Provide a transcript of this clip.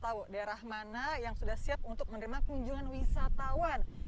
tahu daerah mana yang sudah siap untuk menerima kunjungan wisatawan